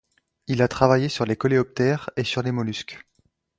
Il a travaillé sur les coléoptères et sur les mollusques.